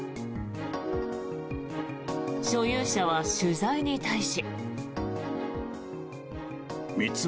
所有者は取材に対し。